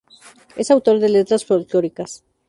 Es autor de letras folclóricas.